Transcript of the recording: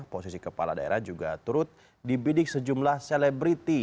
posisi kepala daerah juga turut dibidik sejumlah selebriti